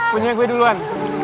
punya gue duluan